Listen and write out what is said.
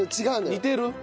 似てる？